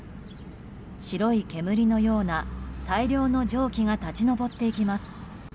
白い煙のような、大量の蒸気が立ち上っていきます。